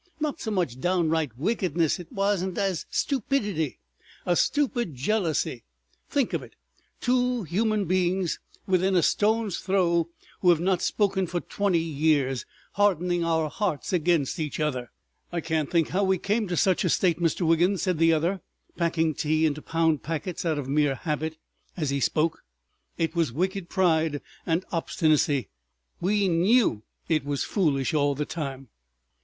Not so much downright wickedness it wasn't as stupidity. A stupid jealousy! Think of it!—two human beings within a stone's throw, who have not spoken for twenty years, hardening our hearts against each other!" "I can't think how we came to such a state, Mr. Wiggins," said the other, packing tea into pound packets out of mere habit as he spoke. "It was wicked pride and obstinacy. We knew it was foolish all the time."